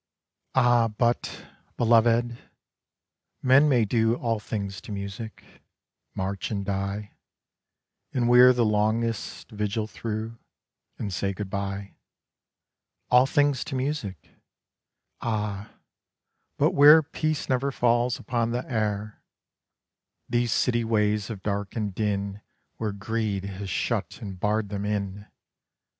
_Ah but, Belovèd, men may do All things to music; march, and die; And wear the longest vigil through, ... And say good by. All things to music! Ah, but where Peace never falls upon the air; These city ways of dark and din Where greed has shut and barred them in!